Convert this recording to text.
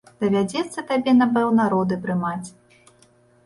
Давядзецца табе, напэўна, роды прымаць.